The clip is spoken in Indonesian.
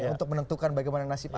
untuk menentukan bagaimana nasibnya